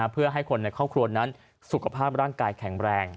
เพื่อให้คนในครอบครัวนั้นสุขภาพร่างกายแข็งแรง